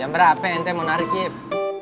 jam berapa ente mau narik yip